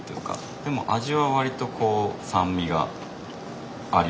でも味は割とこう酸味がありますかね。